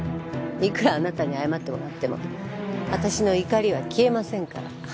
いくらあなたに謝ってもらっても私の怒りは消えませんから。